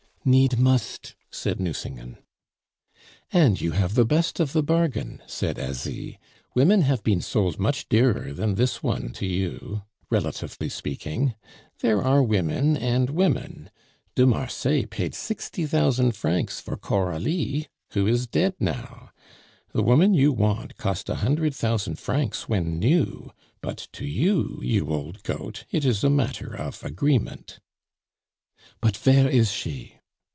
"Need must!" said Nucingen. "And you have the best of the bargain," said Asie. "Women have been sold much dearer than this one to you relatively speaking. There are women and women! De Marsay paid sixty thousand francs for Coralie, who is dead now. The woman you want cost a hundred thousand francs when new; but to you, you old goat, it is a matter of agreement." "But vere is she?"